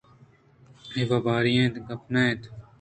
اے باوری ایں گپ نہ اِنت